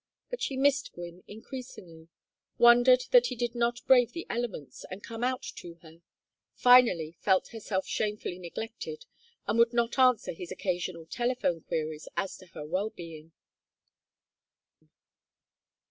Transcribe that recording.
But she missed Gwynne increasingly, wondered that he did not brave the elements and come out to her; finally felt herself shamefully neglected, and would not answer his occasional telephone queries as to her well being.